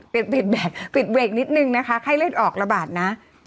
ตอนปิดเวริกนิดนึงนะคะไข้เล่นออกระบาดนะ